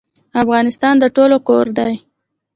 افغانستان د ټولو کور دی